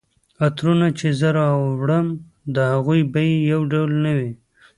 عطرونه چي زه راوړم د هغوی بیي یو ډول نه وي